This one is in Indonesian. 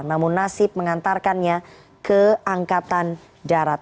namun nasib mengantarkannya ke angkatan darat